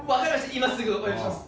今すぐお呼びします。